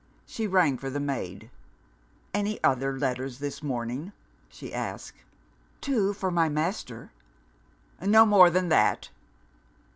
She rang for the maid. "Any other letters this morning?" she asked. "Two, for my master." "No more than that!"